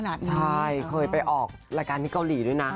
ใช่เคยไปออกรายการที่เกาหลีด้วยนะ